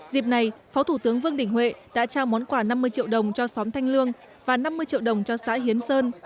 dịp này phó thủ tướng vương đình huệ đã trao món quà năm mươi triệu đồng cho xóm thanh lương và năm mươi triệu đồng cho xã hiến sơn